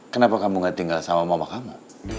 kenapa kamu gak tinggal sama mama kamu